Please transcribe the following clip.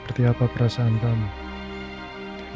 bagaimana menurutmu sekarang ikut disini